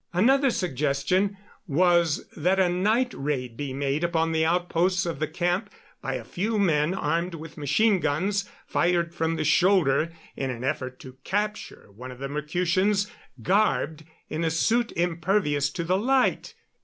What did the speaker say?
Another suggestion was that a night raid be made upon the outposts of the camp by a few men armed with machine guns fired from the shoulder, in an effort to capture one of the Mercutians garbed in a suit impervious to the light.